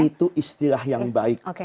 itu istilah yang baik